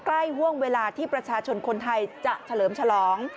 ห่วงเวลาที่ประชาชนคนไทยจะเฉลิมฉลอง